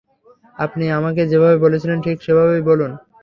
আপনি আমাকে যেভাবে বলেছিলেন ঠিক সেভাবেই বলুন।